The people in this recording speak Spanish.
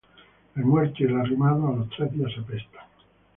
El muerto y el arrimado a los tres días apestan